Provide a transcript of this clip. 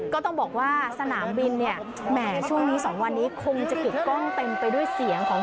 ก็ต้องบอกว่าสนามบินเนี่ยแหม่ช่วงนี้๒วันนี้คงจะกึกกล้องเต็มไปด้วยเสียงของ